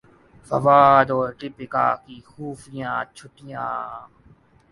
فواد اور دپیکا کی خفیہ چھٹیاں